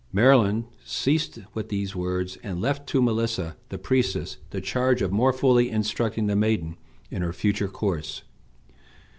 Merlin ceased with these words, and left to Melissa, the priestess, the charge of more fully instructing the maiden in her future course.